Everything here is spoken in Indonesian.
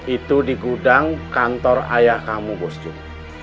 itu di gudang kantor ayah kamu bos jun